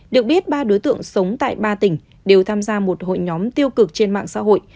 được biết ba đối tượng sống tại ba tỉnh đều tham gia một hội nhóm tiêu cực trên mạng xã hội